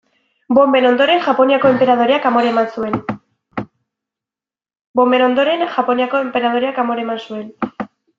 Bonben ondoren, Japoniako enperadoreak amore eman zuen.